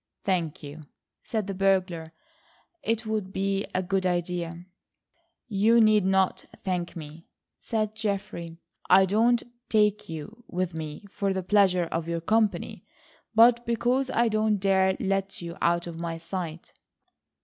"Thank you," said the burglar, "it would be a good idea." "You need not thank me," said Geoffrey. "I don't take you with me for the pleasure of your company, but because I don't dare let you out of my sight."